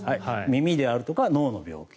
耳であるとか脳の病気。